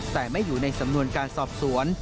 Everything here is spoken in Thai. แต่ไม่อยู่ในสำนวนการสอบสวน